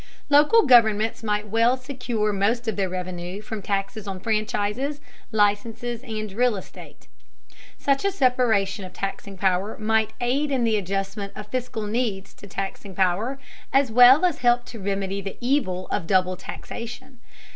Local governments might well secure most of their revenue from taxes on franchises, licenses, and real estate. Such a separation of taxing power might aid in the adjustment of fiscal needs to taxing power, as well as helping to remedy the evil of double taxation.